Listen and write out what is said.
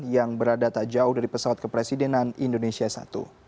yang berada tak jauh dari pesawat kepresidenan indonesia i